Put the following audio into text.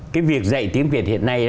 cái việc dạy tiếng việt hiện nay